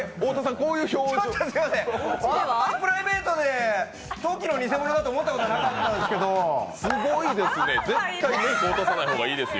僕、プライベートでトキの偽物だと思ったことないんですけどすごいですね、絶対メイク落とさない方がいいですよ。